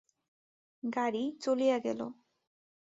গাড়ি চলিয়া গেল।